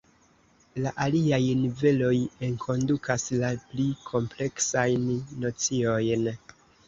La aliaj niveloj enkondukas la pli kompleksajn nociojn.